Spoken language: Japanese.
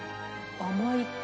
甘い！